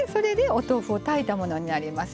お豆腐を炊いたものになります。